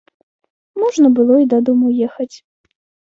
Можна было і дадому ехаць.